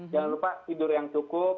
jangan lupa tidur yang cukup